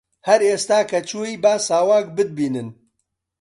هەر ئێستا کە چووی با ساواک بتبینن